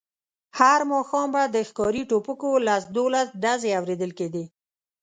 هر ماښام به د ښکاري ټوپکو لس دولس ډزې اورېدل کېدې.